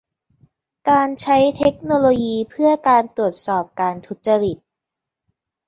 การใช้เทคโนโลยีเพื่อการตรวจสอบการทุจริต